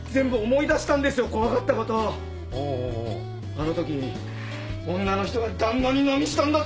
あの時女の人が「旦那に何したんだ！」